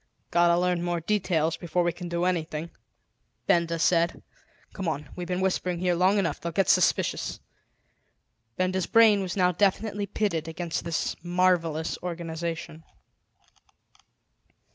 "Got to learn more details before we can do anything," Benda said. "Come on; we've been whispering here long enough; they'll get suspicious." Benda's brain was now definitely pitted against this marvelous organisation.